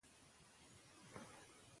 ښه اخلاق د انسان قدر لوړوي.